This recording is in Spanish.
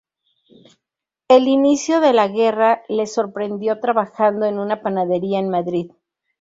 El inicio de la guerra le sorprendió trabajando en una panadería en Madrid.